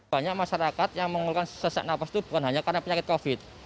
banyak masyarakat yang mengeluhkan sesak nafas itu bukan hanya karena penyakit covid